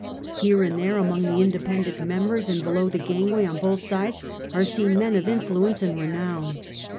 Here and there, among the independent members and below the gangway on both sides, are seen men of influence and renown.